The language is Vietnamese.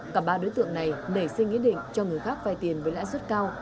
cả ba đối tượng này nể xin ý định cho người khác vai tiền với lãi suất cao